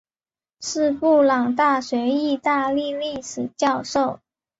是布朗大学意大利历史教授。